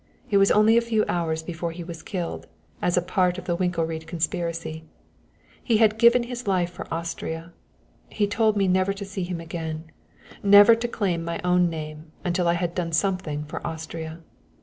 It was only a few hours before he was killed, as a part of the Winkelried conspiracy. He had given his life for Austria. He told me never to see him again never to claim my own name until I had done something for Austria.